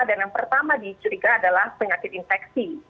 dan yang pertama dicuriga adalah penyakit infeksi